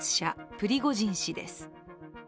プリゴジン氏です。